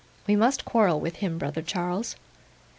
We must quarrel with him, brother Charles.